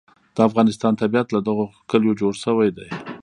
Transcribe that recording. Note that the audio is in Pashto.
د افغانستان طبیعت له دغو کلیو جوړ شوی دی.